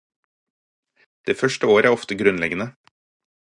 Det første året er ofte grunnleggende